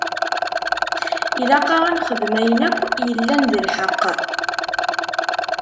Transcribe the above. Ilaq-aɣ ad nexdem ayen akk yellan d lḥeqq.